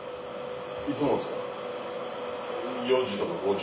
いつもですか？